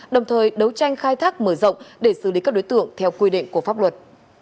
đồng thời đấu tranh khai thác mở rộng để xử lý các đối tượng theo quy định của pháp luật